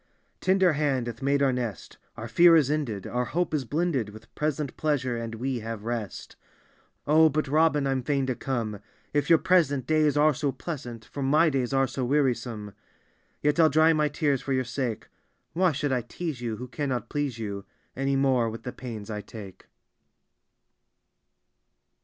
"Tender hand hath made our nest; Our fear is ended; our hope is blended With present pleasure, and we have rest." D,gt,, erihyGOOgle "Oh, but Robin, I'm fain to come, li your present days are so pleasant, For my days are so wearisome. "Yet I'll dry my tears for your sake: Why ^ould I tease you, who cannot please you Any more with the pains I take?